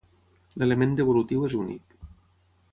L'element devolutiu és únic.